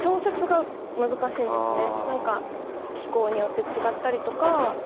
気候によって違ったりとか。